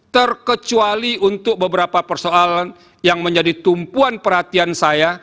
terkecuali untuk beberapa persoalan yang menjadi tumpuan perhatian saya